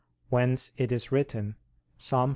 Whence it is written (Ps.